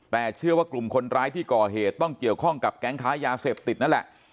แต่เชื่อว่ากลุ่มคนร้ายที่ก่อเหตุต้องเกี่ยวข้องกับแก๊งค้ายาเสพติดนั่นแหละ